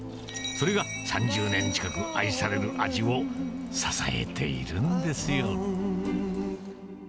それが３０年近く愛される味を支えているんですよ。